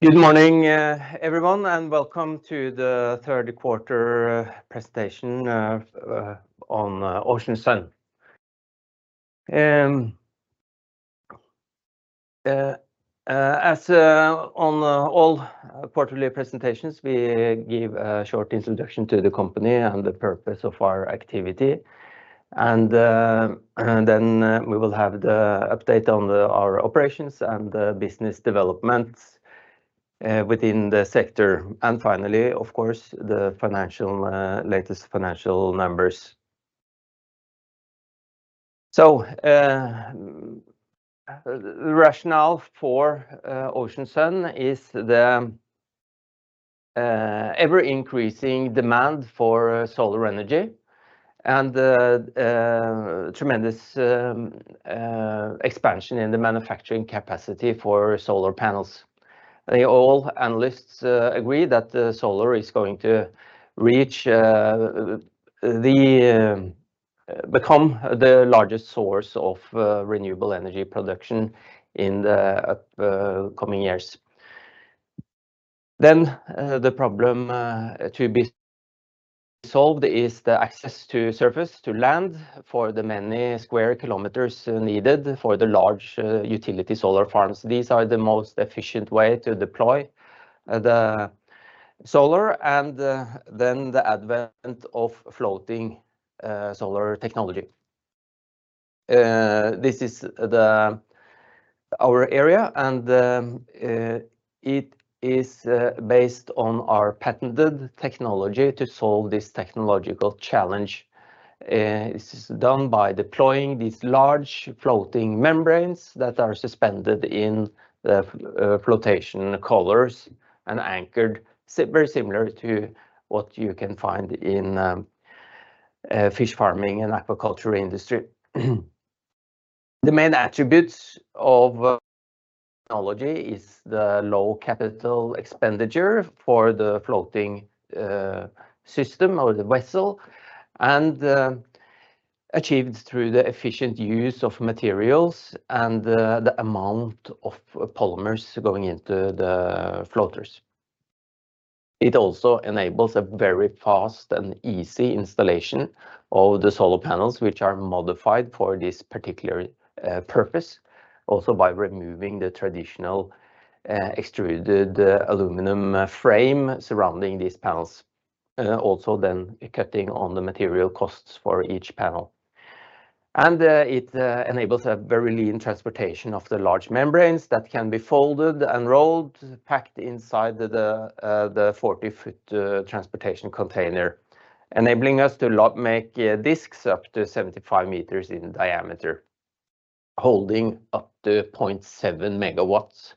Good morning, everyone, and welcome to the Q3 presentation on Ocean Sun. As on all quarterly presentations, we give a short introduction to the company and the purpose of our activity. Then we will have the update on our operations and the business developments within the sector. Finally, of course, the latest financial numbers. The rationale for Ocean Sun is the ever-increasing demand for solar energy and the tremendous expansion in the manufacturing capacity for solar panels. All analysts agree that solar is going to become the largest source of renewable energy production in the coming years. Then, the problem to be solved is the access to surface, to land for the many square kilometers needed for the large utility solar farms. These are the most efficient way to deploy the solar, and then the advent of floating solar technology. This is our area, and it is based on our patented technology to solve this technological challenge. This is done by deploying these large floating membranes that are suspended in the flotation collars and anchored, very similar to what you can find in fish farming and aquaculture industry. The main attributes of technology is the low capital expenditure for the floating system or the vessel, and achieved through the efficient use of materials and the amount of polymers going into the floaters. It also enables a very fast and easy installation of the solar panels, which are modified for this particular purpose. Also by removing the traditional, extruded aluminum frame surrounding these panels, also then cutting on the material costs for each panel. And it enables a very lean transportation of the large membranes that can be folded and rolled, packed inside the 40-foot transportation container, enabling us to make disks up to 75 meters in diameter, holding up to 0.7 MW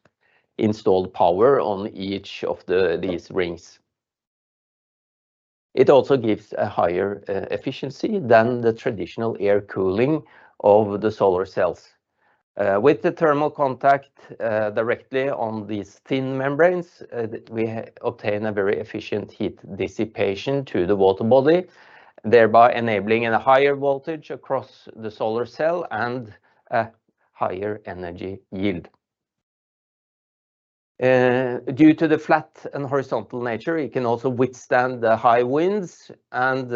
installed power on each of these rings. It also gives a higher efficiency than the traditional air cooling of the solar cells. With the thermal contact directly on these thin membranes, we obtain a very efficient heat dissipation to the water body, thereby enabling a higher voltage across the solar cell and a higher energy yield. Due to the flat and horizontal nature, it can also withstand the high winds and,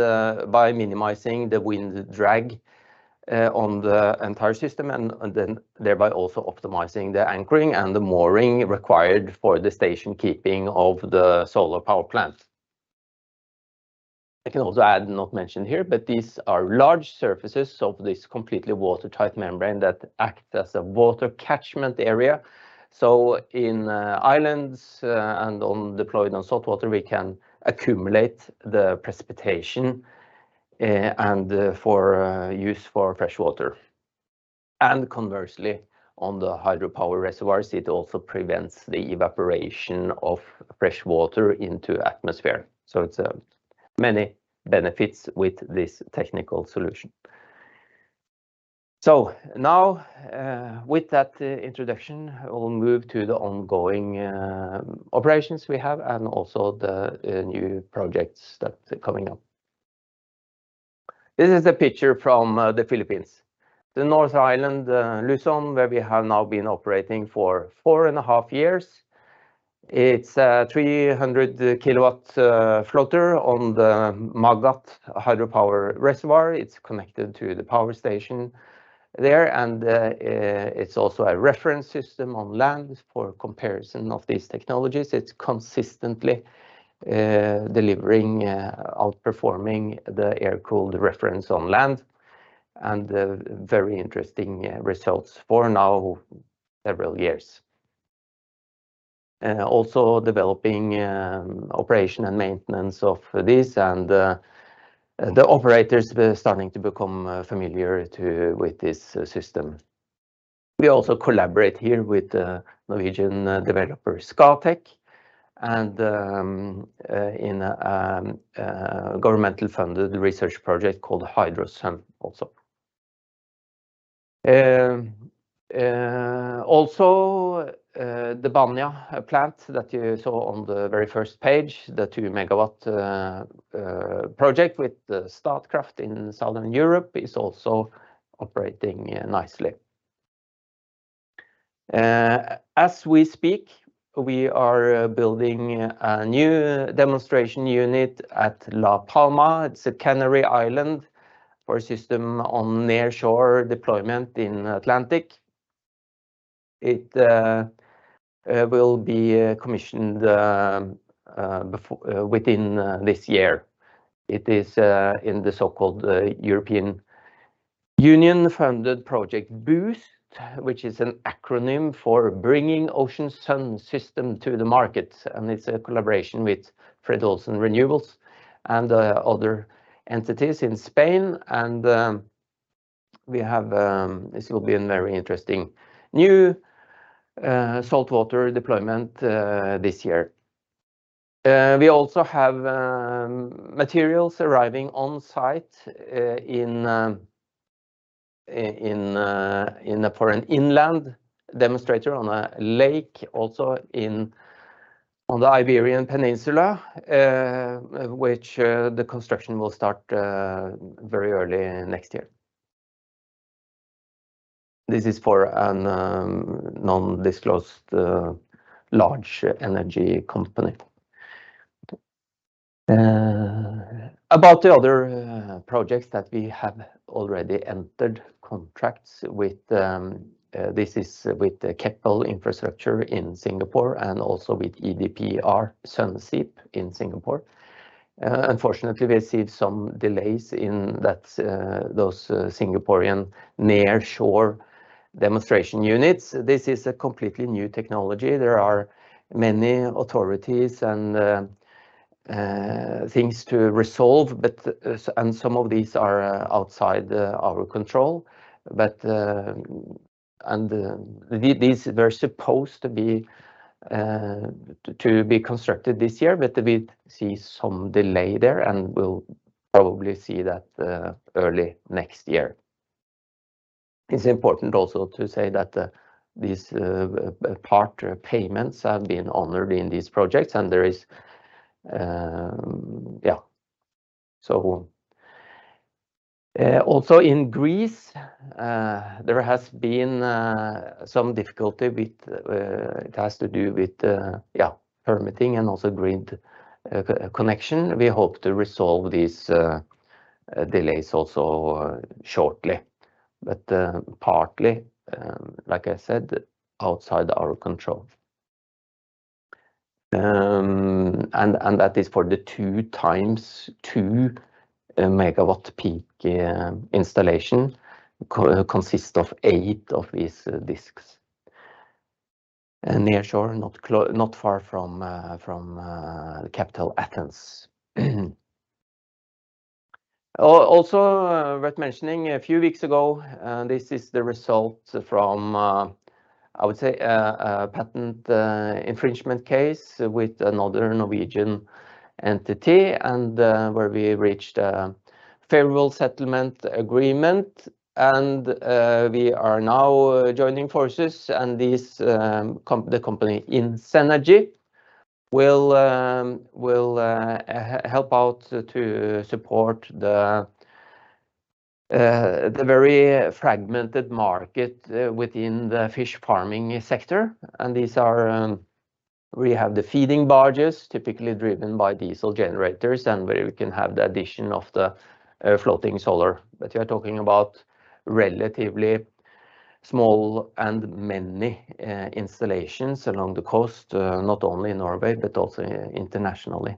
by minimizing the wind drag, on the entire system, and then thereby also optimizing the anchoring and the mooring required for the station keeping of the solar power plant. I can also add, not mentioned here, but these are large surfaces of this completely watertight membrane that act as a water catchment area. So in islands, and on deployed on saltwater, we can accumulate the precipitation, and for use for freshwater. And conversely, on the hydropower reservoirs, it also prevents the evaporation of freshwater into atmosphere. So it's many benefits with this technical solution. So now, with that introduction, I will move to the ongoing operations we have and also the new projects that are coming up. This is a picture from the Philippines, the north island, Luzon, where we have now been operating for four and a half years. It's a 300 kW floater on the Magat hydropower reservoir. It's connected to the power station there, and it's also a reference system on land for comparison of these technologies. It's consistently delivering, outperforming the air-cooled reference on land, and very interesting results, now for several years. Also developing operation and maintenance of this, and the operators were starting to become familiar with this system. We also collaborate here with the Norwegian developer, Scatec, and in government-funded research project called HydroSun also. Also, the Banja plant that you saw on the very first page, the 2-megawatt project with the Statkraft in Southern Europe, is also operating nicely. As we speak, we are building a new demonstration unit at La Palma. It's a Canary Island, for a system on nearshore deployment in Atlantic. It will be commissioned within this year. It is in the so-called European Union funded project BOOST, which is an acronym for Bringing Oceansun System to the market, and it's a collaboration with Fred. Olsen Renewables and other entities in Spain. This will be a very interesting new saltwater deployment this year. We also have materials arriving on site in a foreign inland demonstrator on a lake, also on the Iberian Peninsula, which the construction will start very early next year. This is for an undisclosed large energy company. About the other projects that we have already entered contracts with, this is with the Keppel Infrastructure in Singapore and also with EDPR Sunseap in Singapore. Unfortunately, we see some delays in that those Singaporean nearshore demonstration units. This is a completely new technology. There are many authorities and things to resolve, but and some of these are outside our control. But, and, these were supposed to be constructed this year, but we see some delay there, and we'll probably see that, early next year. It's important also to say that, these, part payments are being honored in these projects, and there is. So, also in Greece, there has been, some difficulty with, it has to do with, permitting and also grid, connection. We hope to resolve these, delays also shortly, but, partly, like I said, outside our control. And, and that is for the 2 x 2 MWp installation, consist of 8 of these disks. And nearshore, not far from, from, the capital, Athens. Also, worth mentioning, a few weeks ago, this is the result from, I would say, a patent infringement case with another Norwegian entity and, where we reached a favorable settlement agreement, and, we are now joining forces, and this, the company Inseanergy, will help out to support the, the very fragmented market, within the fish farming sector. And these are, we have the feeding barges, typically driven by diesel generators, and where we can have the addition of the, floating solar. But we are talking about relatively small and many, installations along the coast, not only in Norway, but also internationally.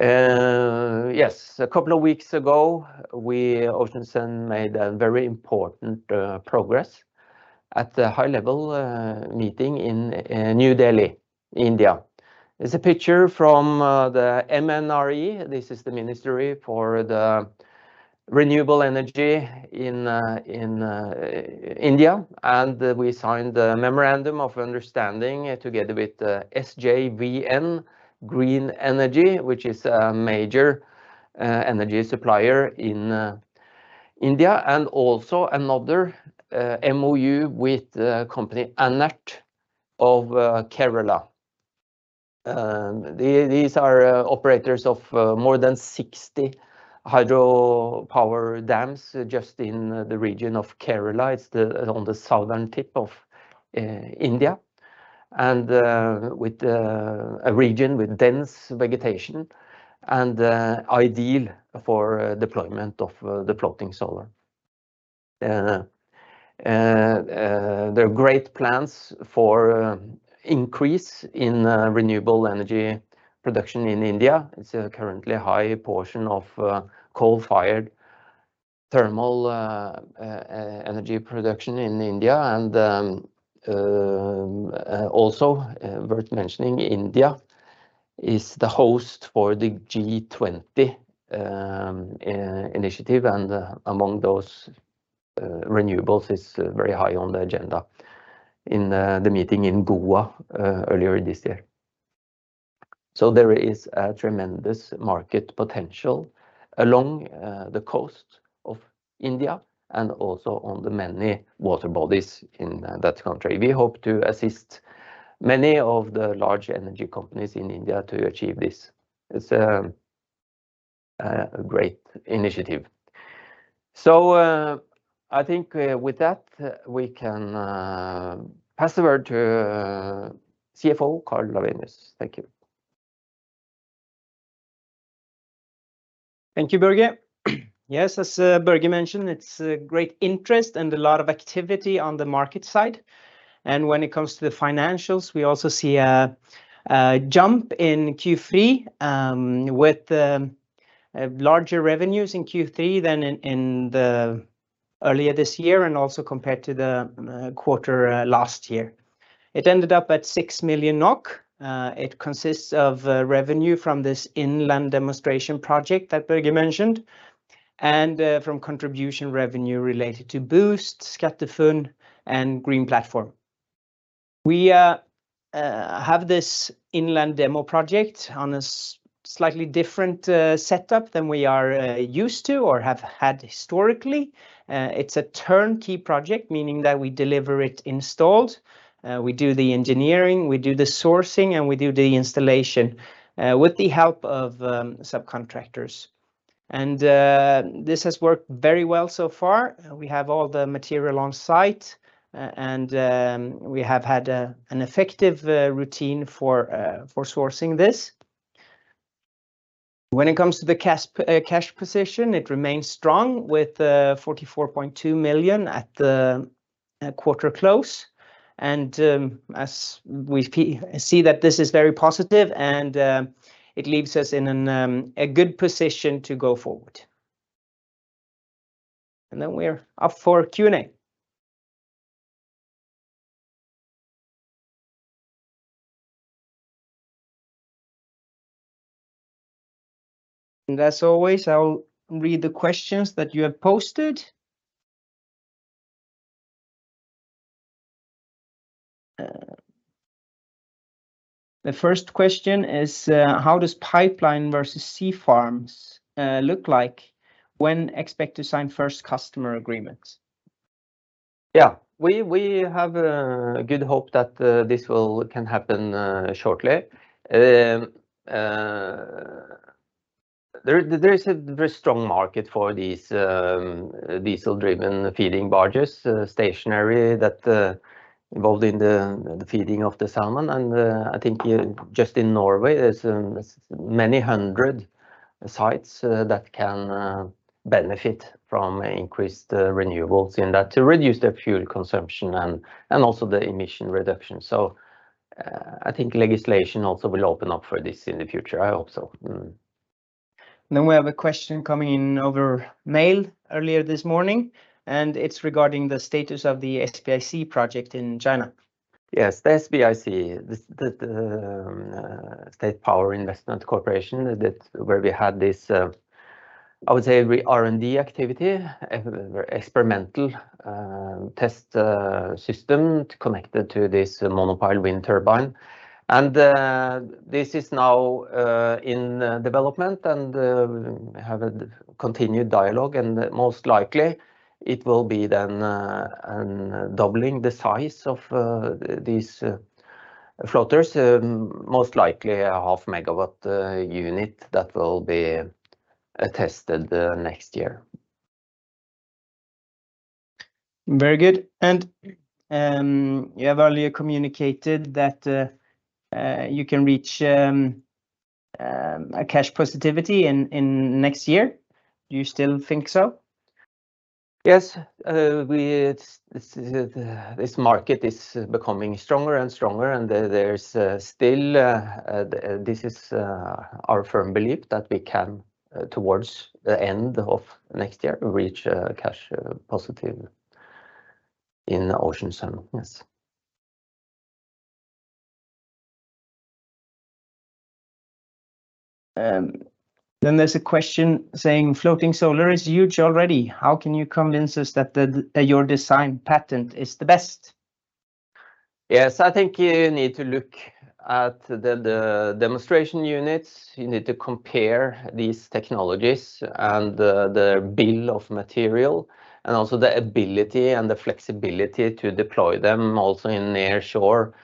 Yes, a couple of weeks ago, we, Ocean Sun, made a very important, progress at the high level, meeting in, New Delhi, India. There's a picture from the MNRE. This is the Ministry of New and Renewable Energy in India, and we signed the Memorandum of Understanding together with SJVN Green Energy, which is a major energy supplier in India, and also another MoU with the company, ANERT of Kerala. These are operators of more than 60 hydropower dams just in the region of Kerala. It's on the southern tip of India, and with a region with dense vegetation and ideal for deployment of the floating solar. There are great plans for increase in renewable energy production in India. It's currently a high portion of coal-fired thermal energy production in India. Also worth mentioning, India is the host for the G20 initiative, and among those, renewables is very high on the agenda in the meeting in Goa earlier this year. So there is a tremendous market potential along the coast of India and also on the many water bodies in that country. We hope to assist many of the large energy companies in India to achieve this. It's a great initiative. So I think with that, we can pass over to CFO Karl Lawenius. Thank you. Thank you, Børge. Yes, as Børge mentioned, it's a great interest and a lot of activity on the market side. When it comes to the financials, we also see a jump in Q3 with a larger revenues in Q3 than in the earlier this year, and also compared to the quarter last year. It ended up at 6 million NOK. It consists of revenue from this inland demonstration project that Børge mentioned, and from contribution revenue related to BOOST, SkatteFUNN, and Green Platform. We have this inland demo project on a slightly different setup than we are used to or have had historically. It's a turnkey project, meaning that we deliver it installed. We do the engineering, we do the sourcing, and we do the installation, with the help of subcontractors. This has worked very well so far. We have all the material on site, and we have had an effective routine for sourcing this. When it comes to the cash position, it remains strong, with 44.2 million at the quarter close. As we see that this is very positive, and it leaves us in a good position to go forward. Then we're up for Q&A. As always, I'll read the questions that you have posted. The first question is, "How does pipeline versus sea farms look like when expect to sign first customer agreements? Yeah, we have a good hope that this can happen shortly. There is a very strong market for these diesel-driven feeding barges, stationary that involved in the feeding of the salmon. I think just in Norway, there's many hundred sites that can benefit from increased renewables, in that to reduce the fuel consumption and also the emission reduction. I think legislation also will open up for this in the future, I hope so. We have a question coming in over mail earlier this morning, and it's regarding the status of the SPIC project in China. Yes, the SPIC, the State Power Investment Corporation, that's where we had this, I would say, R&D activity, experimental test system connected to this monopile wind turbine. And, this is now in development, and we have a continued dialogue, and most likely it will be then doubling the size of these floaters, most likely a 0.5 megawatt unit that will be tested next year. Very good. You have earlier communicated that you can reach a cash positivity in next year. Do you still think so? Yes. This market is becoming stronger and stronger, and there's still. This is our firm belief that we can, towards the end of next year, reach cash positive in the Ocean Sun, yes. Then there's a question saying: "Floating solar is huge already. How can you convince us that the, your design patent is the best? Yes, I think you need to look at the demonstration units. You need to compare these technologies and the bill of material, and also the ability and the flexibility to deploy them also in near-shore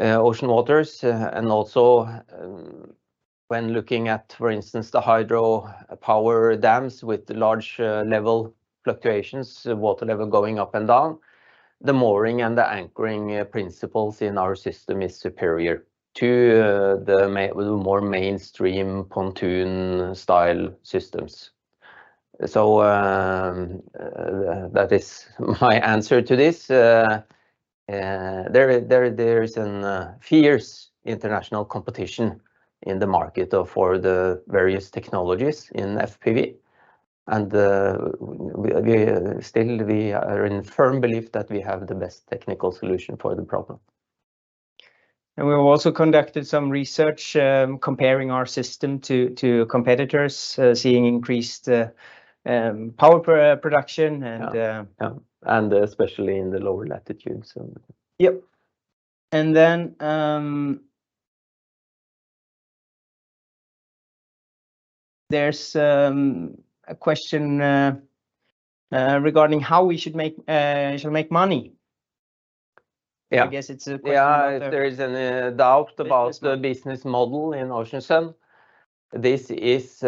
ocean waters. And also, when looking at, for instance, the hydropower dams with large level fluctuations, water level going up and down, the mooring and the anchoring principles in our system is superior to the more mainstream pontoon-style systems. So, that is my answer to this. There's a fierce international competition in the market for the various technologies in FPV, and we still are in firm belief that we have the best technical solution for the problem. And we've also conducted some research, comparing our system to competitors, seeing increased power production and- Yeah, yeah, and especially in the lower latitudes, so. Yep. And then, there's a question regarding how we should make money. Yeah. I guess it's a question- Yeah, there is a doubt about the business model in Ocean Sun. This is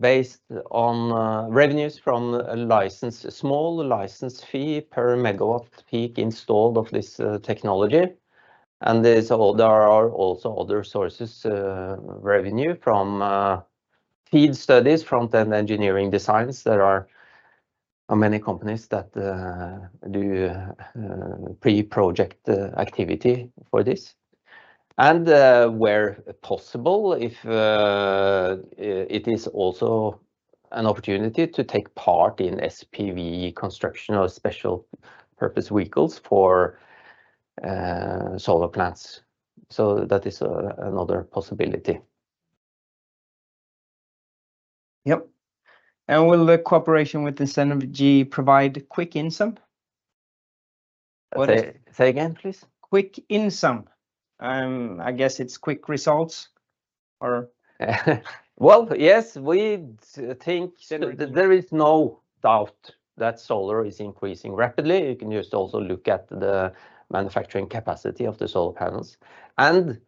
based on revenues from a license, a small license fee per megawatt peak installed of this technology. And there are also other sources revenue from FEED studies, front-end engineering designs. There are many companies that do pre-project activity for this. And where possible, if it is also an opportunity to take part in SPV construction or special purpose vehicles for solar plants. So that is another possibility. Yep. Will the cooperation with Inseanergy provide quick income? What- Say again, please. Quick summary. I guess it's quick results or... Well, yes, we think- So- There is no doubt that solar is increasing rapidly. You can just also look at the manufacturing capacity of the solar panels. And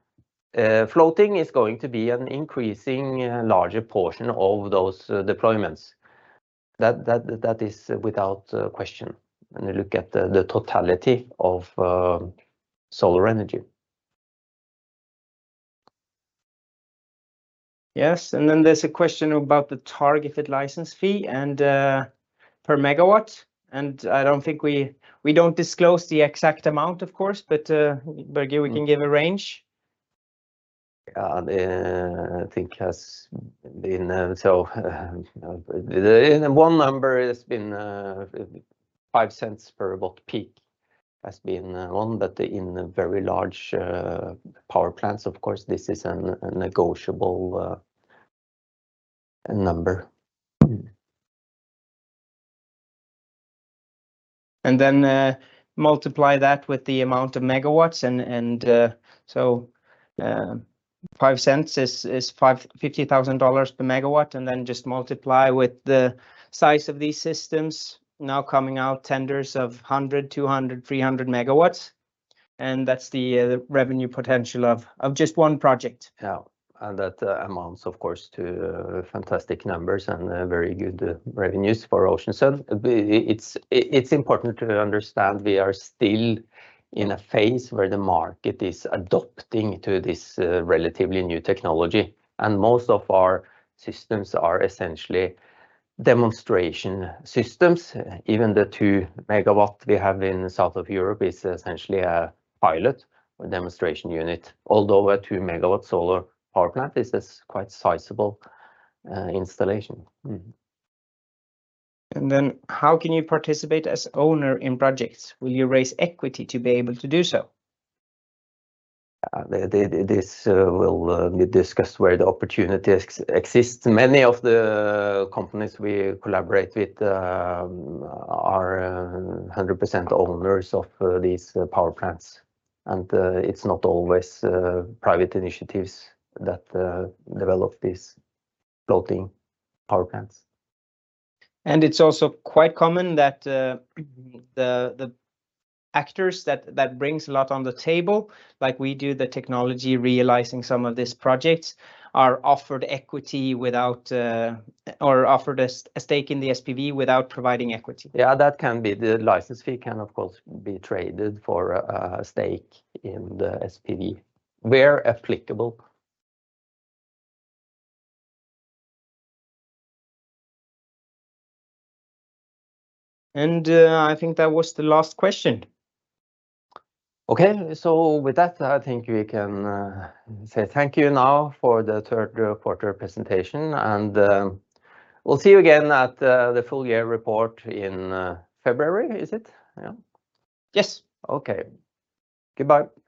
floating is going to be an increasing larger portion of those deployments. That is without question, when you look at the totality of solar energy. Yes, and then there's a question about the targeted license fee and per megawatt, and I don't think we don't disclose the exact amount, of course, but but we can give a range. Yeah, I think has been one number has been $0.05 per watt peak, has been one, but in very large power plants, of course, this is a negotiable number. Then, multiply that with the amount of megawatts and so, 5 cents is $50,000 per megawatt, and then just multiply with the size of these systems now coming out tenders of 100, 200, 300 MW, and that's the revenue potential of just one project. Yeah. And that amounts, of course, to fantastic numbers and, very good revenues for Ocean Sun. It's, it's important to understand we are still in a phase where the market is adopting to this, relatively new technology, and most of our systems are essentially demonstration systems. Even the 2 MW we have in the south of Europe is essentially a pilot demonstration unit, although a 2 MW solar power plant is, is quite sizable, installation. Mm-hmm. How can you participate as owner in projects? Will you raise equity to be able to do so? This will be discussed where the opportunity exists. Many of the companies we collaborate with are 100% owners of these power plants, and it's not always private initiatives that develop these floating power plants. It's also quite common that the actors that brings a lot on the table, like we do the technology, realizing some of these projects, are offered equity without, or offered a stake in the SPV without providing equity. Yeah, that can be the license fee, can of course, be traded for a stake in the SPV, where applicable. I think that was the last question. Okay, so with that, I think we can say thank you now for the Q3 presentation, and we'll see you again at the full year report in February, is it? Yeah. Yes. Okay. Goodbye.